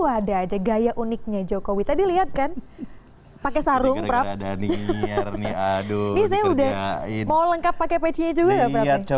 aduh mana ada coba siaran pakai sarung kayak begini